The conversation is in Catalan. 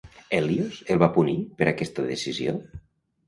Hèlios el va punir per aquesta decisió?